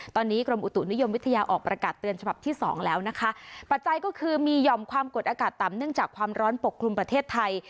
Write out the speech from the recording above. ตอนนี้กรมอุตุนิยมวิทยาออกประกาศเตือนฉบับที่สองแล้วนะคะปัจจัยก็คือมีห่อมความกดอากาศต่ำเนื่องจากความร้อนปกคลุมประเทศไทย